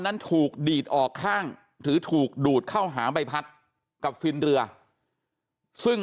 นั้นถูกดีดออกข้างหรือถูกดูดเข้าหาใบพัดกับฟินเรือซึ่ง